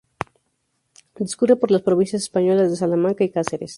Discurre por las provincias españolas de Salamanca y Cáceres.